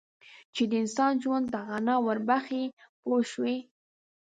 چې د انسان ژوند ته غنا ور بخښي پوه شوې!.